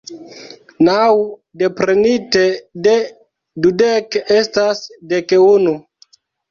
Naŭ deprenite de dudek estas dek unu.